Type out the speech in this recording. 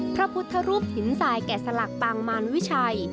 พระพุทธรูปหินทรายแก่สลักปางมารวิชัย